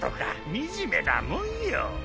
惨めなもんよ。